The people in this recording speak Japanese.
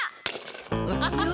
ウハハハハ。